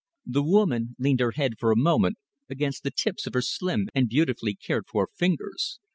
The woman leaned her head for a moment against the tips of her slim and beautifully cared for fingers.